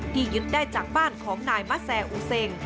ที่ยึดได้จากบ้านของนายมัศรอุเซง